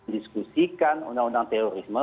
diskusikan undang undang terorisme